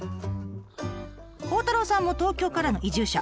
孝太郎さんも東京からの移住者。